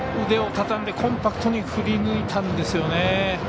腕をたたんで、コンパクトに振り抜いたんですよね。